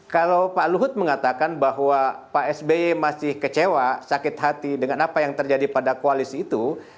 kalau pak luhut mengatakan bahwa pak sby masih kecewa sakit hati dengan apa yang terjadi pada koalisi itu